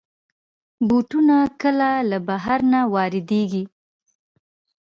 بوټونه کله له بهر نه واردېږي.